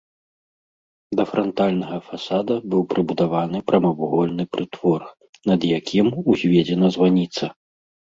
Да франтальнага фасада быў прыбудаваны прамавугольны прытвор, над якім узведзена званіца.